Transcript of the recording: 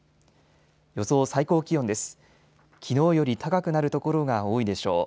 予想最高気温です。